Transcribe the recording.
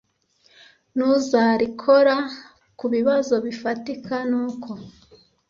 nuzarikora ku bibazo bifatika nuko